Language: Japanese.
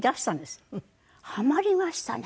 ハマりましたね。